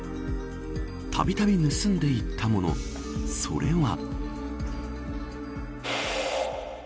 たびたび盗んでいったものそれは。